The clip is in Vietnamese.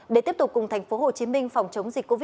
để tiếp tục cùng thành phố hồ chí minh